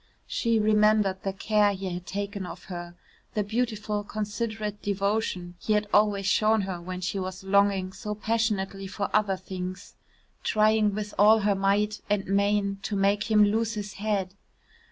She remembered the care he had taken of her, the beautiful considerate devotion he had always shown her when she was longing so passionately for other things, trying with all her might and main to make him lose his head.